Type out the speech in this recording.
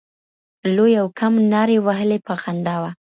لوی او کم نارې وهلې په خنداوه